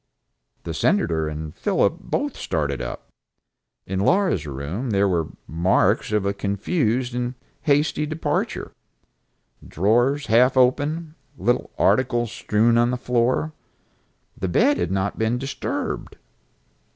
The Senator and Philip both started up. In Laura's room there were the marks of a confused and hasty departure, drawers half open, little articles strewn on the floor. The bed had not been disturbed.